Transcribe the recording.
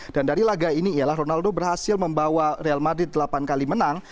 dan dari laga ini ronaldo berhasil membawa real madrid delapan kali menang